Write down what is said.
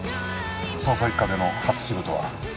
捜査一課での初仕事は。